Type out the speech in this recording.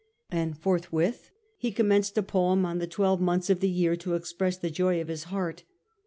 And forthwith he commenced a poem on the twelve months of the year to express the joy of his heart.